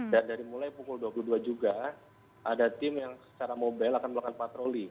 dan dari mulai pukul dua puluh dua juga ada tim yang secara mobil akan melakukan patroli